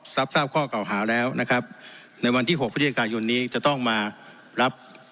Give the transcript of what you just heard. รับทราบข้อเก่าหาแล้วนะครับในวันที่หกพฤศจิกายนนี้จะต้องมารับ